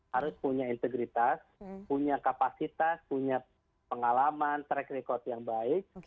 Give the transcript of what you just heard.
harus punya integritas punya kapasitas punya pengalaman track record yang baik